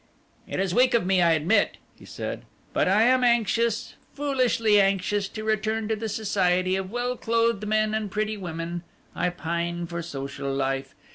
"It is weak of me, I admit," he said, "but I am anxious foolishly anxious to return to the society of well clothed men and pretty women. I pine for social life.